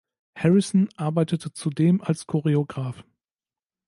Harrison arbeitete zudem als Choreograph.